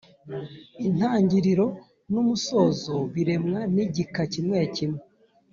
Intangiriro n’ umusozo biremwa n’igika kimwe kimwe